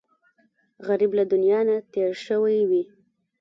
غریب له دنیا نه تېر شوی وي